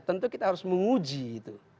tentu kita harus menguji itu